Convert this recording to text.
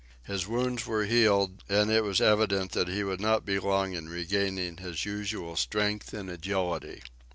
His wounds were healed, and it was evident that he would not be long in regaining his usual strength and agility.